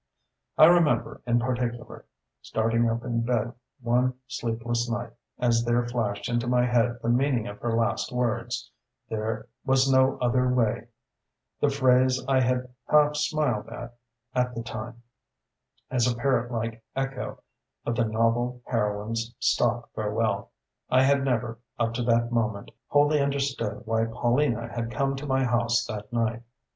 "I remember, in particular, starting up in bed one sleepless night as there flashed into my head the meaning of her last words: 'There was no other way'; the phrase I had half smiled at at the time, as a parrot like echo of the novel heroine's stock farewell. I had never, up to that moment, wholly understood why Paulina had come to my house that night.